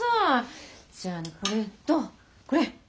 じゃあねこれとこれ！